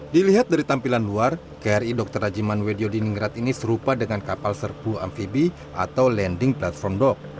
dilihat dari tampilan luar kri dr rajiman wedio diningrat ini serupa dengan kapal serpu amfibi atau landing platform dock